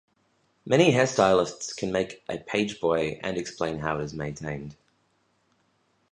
Many hairstylists can make a pageboy and explain how it is maintained.